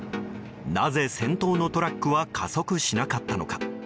なぜ先頭のトラックは加速しなかったのか。